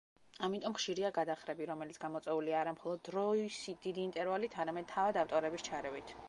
ამიტომ ხშირია გადახრები, რომელიც გამოწვეულია არა მხოლოდ დროის დიდი ინტერვალით, არამედ თავად ავტორების ჩარევით.